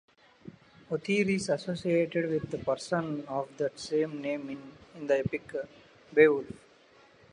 Ohthere is associated with the person of that same name in the epic "Beowulf".